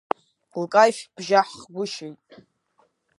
Лкаиф бжьаҳхгәышьеит.